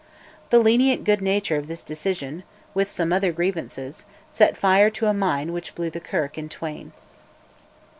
The lenient good nature of this decision, with some other grievances, set fire to a mine which blew the Kirk in twain.